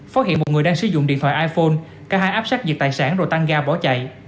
phát hiện một người đang sử dụng điện thoại iphone cả hai áp sát diệt tài sản rồi tăng ga bỏ chạy